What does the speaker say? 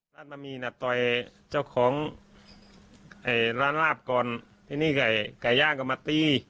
มันมีนัดต่อยเจ้าของร้านราบกรที่นี่ไก่ย่างก็มาตี